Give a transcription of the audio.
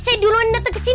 saya duluan datang ke sini